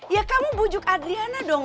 ya kamu bujuk adriana dong